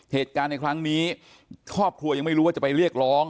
เหตุการณ์ในครั้งนี้ครอบครัวยังไม่รู้ว่าจะไปเรียกร้อง